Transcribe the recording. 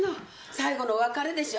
最後の別れでしょ。